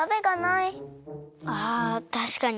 あたしかに。